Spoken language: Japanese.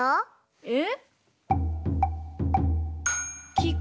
えっ？